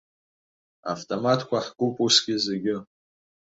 Автоматқәа ҳкуп усгьы зегьы.